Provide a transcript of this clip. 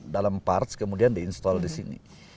dalam parts kemudian di install disini